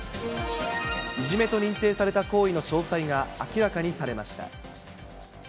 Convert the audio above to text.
いじめと認定された行為の詳細が明らかにされました。